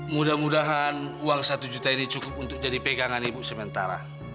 mudah mudahan uang satu juta ini cukup untuk jadi pegangan ibu sementara